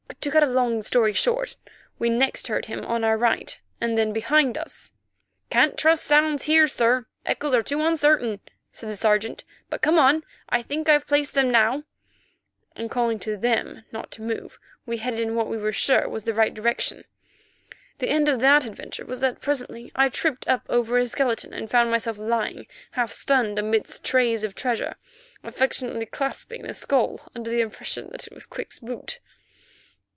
To cut a long story short, we next heard him on our right and then behind us. "Can't trust sounds here, sir, echoes are too uncertain," said the Sergeant; "but come on, I think I've placed them now," and calling to them not to move, we headed in what we were sure was the right direction. The end of that adventure was that presently I tripped up over a skeleton and found myself lying half stunned amidst trays of treasure, affectionately clasping a skull under the impression that it was Quick's boot.